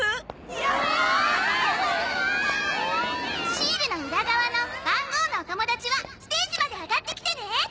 シールの裏側の番号のお友達はステージまで上がってきてね！